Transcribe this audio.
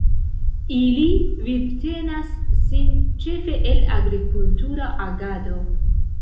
Ili vivtenas sin ĉefe el agrikultura agado.